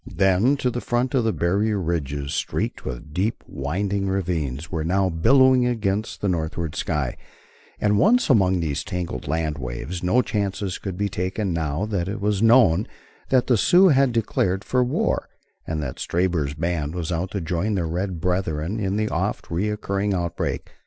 Then, to the front, the barrier ridges, streaked with deep winding ravines, were now billowing against the northward sky, and once among those tangled land waves no chances could be taken now that it was known that the Sioux had declared for war, and that Stabber's band was out to join their red brethren in the oft recurring outbreak.